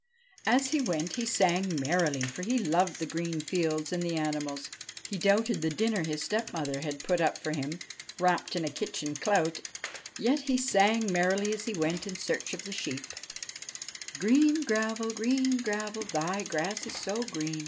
As he went he sang merrily, for he loved the green fields and the animals. He doubted the dinner his stepmother had put up for him, wrapped in a kitchen clout ; yet he sang merrily as he went in search of the sheep: ' Green gravel ! Green gravel I Thy grass is so green.